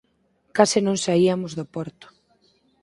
Case non saímos do porto